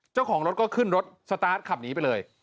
เจ้าของรถก็ขึ้นรถสตาร์ทขับหนีไปเลย